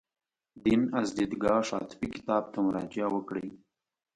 دین از دیدګاه شاطبي کتاب ته مراجعه وکړئ.